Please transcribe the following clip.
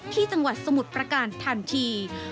จังหวัดสมุทรประการทันที